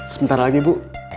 sementara lagi bu